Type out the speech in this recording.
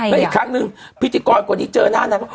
แล้วอีกครั้งนึงพิธีกรกว่านี้เจอหน้านางก็